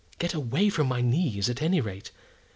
Get away from my knees, at any rate.